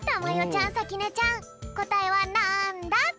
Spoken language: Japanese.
ちゃんさきねちゃんこたえはなんだ？